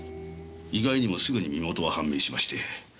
意外にもすぐに身元は判明しまして。